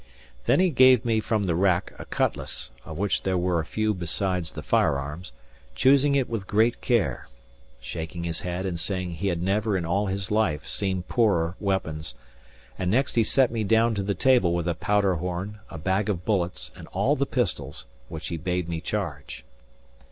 Then he gave me from the rack a cutlass (of which there were a few besides the firearms), choosing it with great care, shaking his head and saying he had never in all his life seen poorer weapons; and next he set me down to the table with a powder horn, a bag of bullets and all the pistols, which he bade me charge.